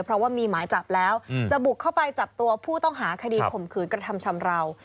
เพราะว่ามีหมายจับแล้วจะบุกเข้าไปจับตัวผู้ต้องหาคดีข่มขืนกระทำชำราว